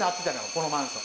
このマンション。